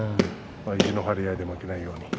意地の張り合いで負けないように。